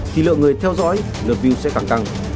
thì lượng người theo dõi lượt view sẽ càng tăng